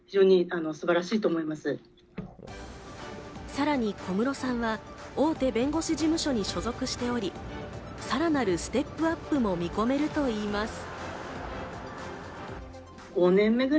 さらに小室さんは大手弁護士事務所に所属しており、さらなるステップアップも見込めるといいます。